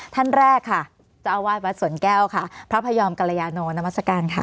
ท่านแรกค่ะจาวาสวรรค์แก้วค่ะพระพยอมกัลยาโนนามัสกาลค่ะ